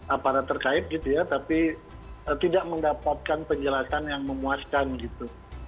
aparat terkait gitu ya tapi tidak mendapatkan penjelasan yang memuaskan gitu